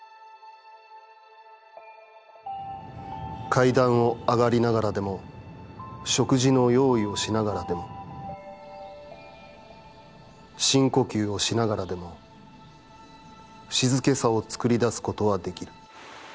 「階段をあがりながらでも、食事の用意をしながらでも深呼吸をしながらでも、静けさをつくりだすことはできる。